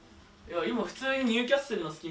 今普通にニューキャッスルの。